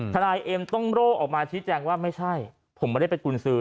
นายเอ็มต้องโร่ออกมาชี้แจงว่าไม่ใช่ผมไม่ได้เป็นกุญสือ